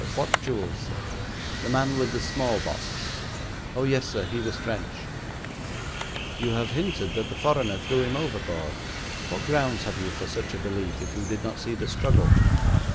'What jewels, sir?' 'The man with the small box.' 'Oh, yes, sir; he was French.' 'You have hinted that the foreigner threw him overboard. What grounds have you for such a belief if you did not see the struggle?'